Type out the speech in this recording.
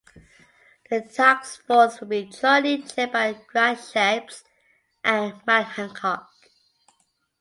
The taskforce will be jointly chaired by Grant Shapps and Matt Hancock.